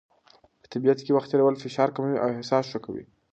په طبیعت کې وخت تېرول فشار کموي او احساس ښه کوي.